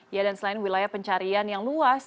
ya dan selain wilayah pencarian yang luas